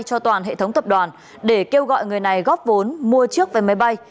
cho toàn hệ thống tập đoàn để kêu gọi người này góp vốn mua trước vé máy bay